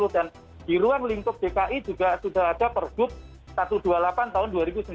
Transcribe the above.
dan di ruang lingkup dki juga sudah ada perhubungan satu ratus dua puluh delapan tahun dua ribu sembilan belas